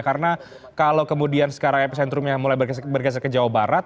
karena kalau kemudian sekarang epicentrumnya mulai bergeser ke jawa barat